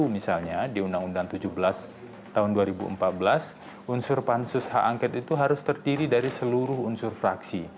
misalnya di undang undang tujuh belas tahun dua ribu empat belas unsur pansus hak angket itu harus terdiri dari seluruh unsur fraksi